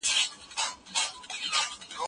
زمانه د داستان په منځپانګه کي رول لري.